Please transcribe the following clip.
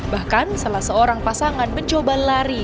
bahkan salah seorang pasangan mencoba lari